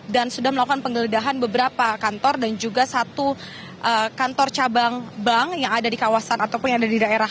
dan sudah melakukan penggeledahan beberapa kantor dan juga satu kantor cabang bank yang ada di kawasan ataupun yang ada di daerah